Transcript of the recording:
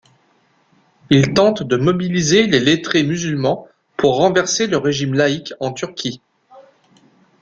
Il tente de mobiliser les lettrés musulmans pour renverser le régime laïque en Turquie.